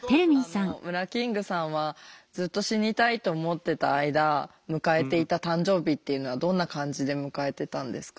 あのムラキングさんはずっと死にたいと思ってた間迎えていた誕生日っていうのはどんな感じで迎えてたんですか？